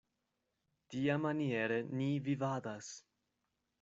Tiamaniere ni vivadas.